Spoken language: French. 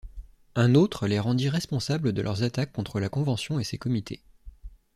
Un autre, les rendit responsables de leurs attaques contre la Convention et ses comités.